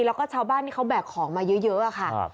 แล้วก็ชาวบ้านที่เขาแบกของมาเยอะค่ะ